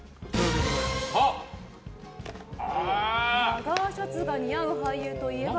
ラガーシャツが似合う俳優といえば？